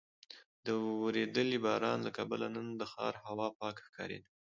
د ورېدلي باران له کبله نن د ښار هوا پاکه ښکارېده.